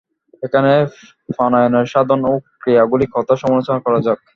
এখন প্রাণায়ামের সাধন ও ক্রিয়াগুলি কথা সমালোচনা করা যাক।